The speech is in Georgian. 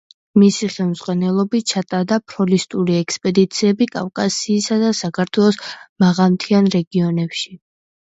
მისი ხელმძღვანელობით ჩატარდა ფლორისტული ექსპედიციები კავკასიისა და საქართველოს მაღალმთიან რეგიონებში.